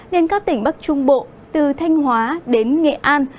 nên các tỉnh bắc trung bộ từ thanh hóa đến nghệ an